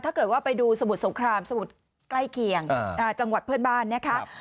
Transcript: ถ้าเกิดว่าไปดูสมุทรสงครามสมุทรใกล้เคียงจังหวัดเพื่อนบ้านนะคะ